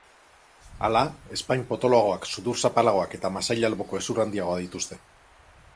Hala, ezpain potoloagoak, sudur zapalagoak eta masail-alboko hezur handiagoa dituzte.